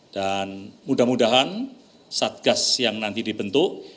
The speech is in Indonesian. dan mudah mudahan satgas yang nanti dibentuk